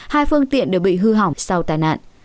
hai phương tiện đều bị hư hỏng sau tai nạn